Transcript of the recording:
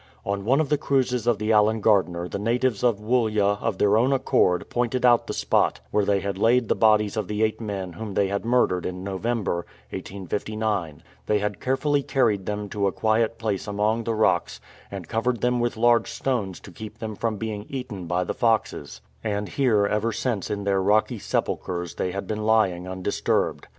On one of the cruises of the Allen Gardiner 266 THE GRAVES OF THE MARTYRS the natives of Woollya of their own accord pointed out the spot where they had laid the bodies of the eight men whom they had murdered in November, 1859. They had carefully carried them to a quiet place among the rocks and covered them with large stones to keep them from being eaten by the foxes: and here ever since in their rocky sepulchres they had been lying undisturbed.